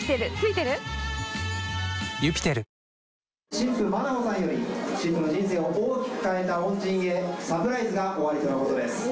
新婦、まなほさんより、新婦の人生を大きく変えた恩人へ、サプライズがおありとのことです。